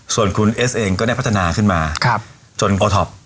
ส่วนคุณเอสเองก็ได้พัฒนาขึ้นมาจนโอท็อป